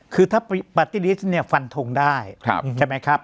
คือถ้าปฏิภิกษ์ฝันทงได้ใช่ไหมครับ